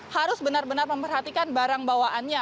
harus benar benar memperhatikan barang bawaannya